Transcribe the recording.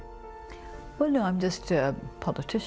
tidak saya hanya seorang politik